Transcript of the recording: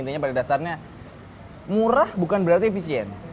intinya pada dasarnya murah bukan berarti efisien